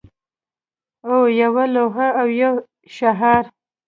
او یوه لوحه او یو شعار